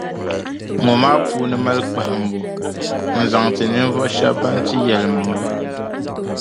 Ŋɔ maa puuni mali kpahimbu n-zaŋ ti ninvuɣu shεba ban ti yεlimaŋli.